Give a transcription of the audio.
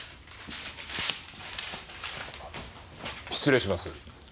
失礼します。